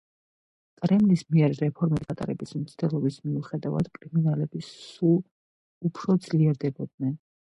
კრემლის მიერ რეფორმების გატარების მცდელობის მიუხედავად, კრიმინალები სულ უფრო ძლიერდებოდნენ.